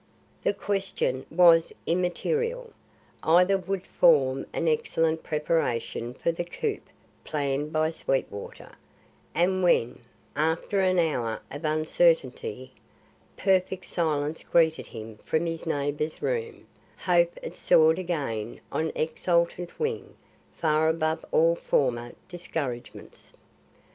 The question was immaterial. Either would form an excellent preparation for the coup planned by Sweetwater; and when, after another hour of uncertainty, perfect silence greeted him from his neighbour's room, hope had soared again on exultant wing, far above all former discouragements.